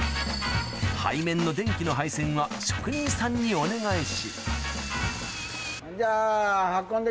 背面の電気の配線は職人さんにお願いしじゃあ。